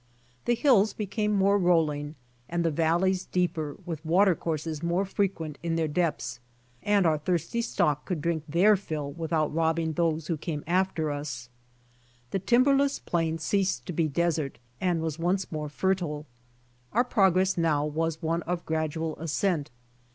The hills became more rolling, and the val leys deeper with water courses more frequent in their depths, and our thirsty stock could drink their fill LEAVING THE DESERT 51 without robbing those who came after us. The timber less plain ceased to be desert and was once more fertile. Our progress now was one of gradual ascent.